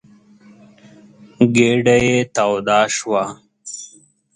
ګېډه يې توده شوه.